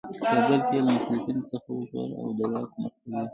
کابل یې له مخالفینو څخه وژغوره او د واک مرکز یې کړ.